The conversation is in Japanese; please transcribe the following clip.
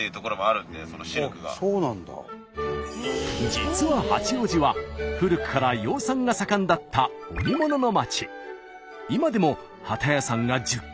実は八王子は古くから養蚕が盛んだった織物の街。